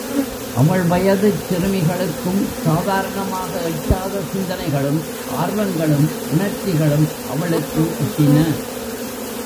அவள் வயதுச் சிறுமிகளுக்கும் சாதாரணமாக எட்டாத சிந்தனைகளும், ஆர்வங்களும், உணர்ச்சிகளும் அவளுக்கு எட்டின.